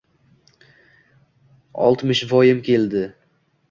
Oltmishvoyim keldi.